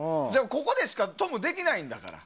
ここでしかトムできないんだから。